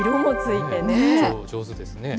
上手ですね。